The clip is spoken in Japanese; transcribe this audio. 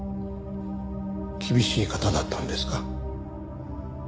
厳しい方だったんですか？